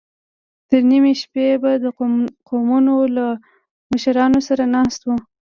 تر نيمې شپې به د قومونو له مشرانو سره ناست و.